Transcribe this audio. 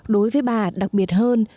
đối với bà đặc biệt hơn